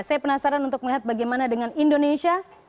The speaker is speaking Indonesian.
saya penasaran untuk melihat bagaimana dengan indonesia